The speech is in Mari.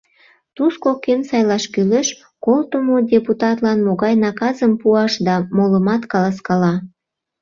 Тушко кӧм сайлаш кӱлеш, колтымо депутатлан могай наказым пуаш да молымат каласкала.